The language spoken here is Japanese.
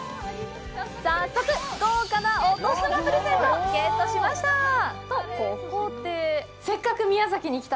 早速、豪華なお年玉プレゼントゲットしました！